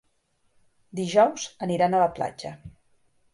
Dijous aniran a la platja.